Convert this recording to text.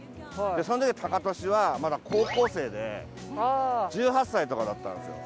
その時はタカトシはまだ高校生で１８歳とかだったんですよ。